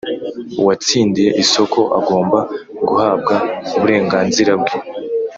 Uwatsindiye isoko agomba guhabwa uburenganzira bwe